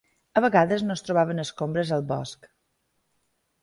A vegades no es trobaven escombres al bosc.